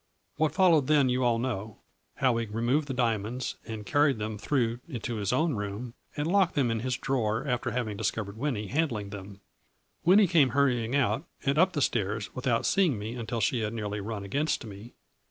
What followed then you all know, how he removed the diamonds and car ried them through into his own room and locked them in his drawer after having discovered Winnie handling them. Winnie came hurry ing out and up the stairs, without seeing me, until she had nearly run against me.